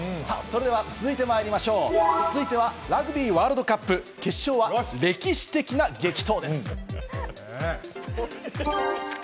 続いてはラグビーワールドカップ、決勝は歴史的な激闘です。